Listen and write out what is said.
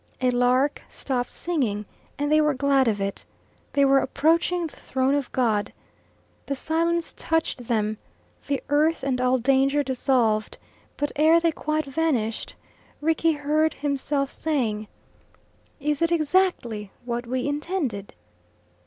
A lark stopped singing, and they were glad of it. They were approaching the Throne of God. The silence touched them; the earth and all danger dissolved, but ere they quite vanished Rickie heard himself saying, "Is it exactly what we intended?"